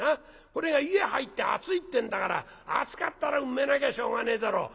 これが湯へ入って熱いってんだから熱かったらうめなきゃしょうがねえだろう。